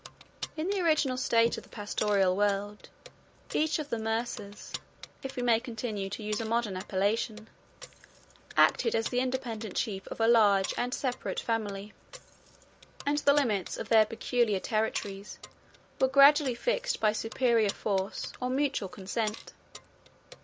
In the original state of the pastoral world, each of the mursas (if we may continue to use a modern appellation) acted as the independent chief of a large and separate family; and the limits of their peculiar territories were gradually fixed by superior force, or mutual consent.